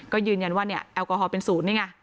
ก็ยืนยันว่าเนี่ยแอลกอฮอลเป็นศูนย์นี่ไง